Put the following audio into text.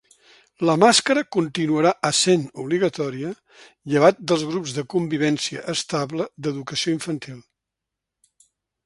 La màscara continuarà essent obligatòria llevat dels grups de convivència estable d’educació infantil.